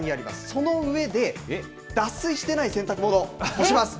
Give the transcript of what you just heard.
その上で脱水してない洗濯物干します。